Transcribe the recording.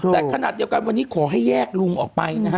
แต่ขนาดเดียวกันวันนี้ขอให้แยกลุงออกไปนะฮะ